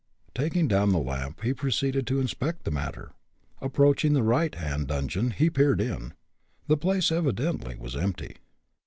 Taking down the lamp, he proceeded to inspect the matter. Approaching the right hand dungeon, he peered in. The place, evidently, was empty.